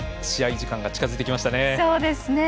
試合時間が近づいてきましたね。